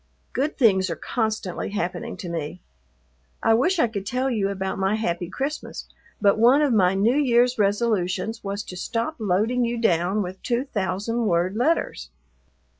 Good things are constantly happening to me. I wish I could tell you about my happy Christmas, but one of my New Year's resolutions was to stop loading you down with two thousand word letters.